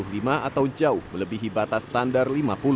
dan satu ratus lima puluh lima atau jauh melebihi batas standar lima puluh